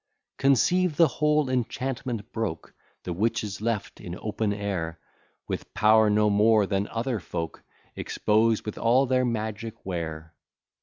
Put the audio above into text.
Conceive the whole enchantment broke; The witches left in open air, With power no more than other folk, Exposed with all their magic ware.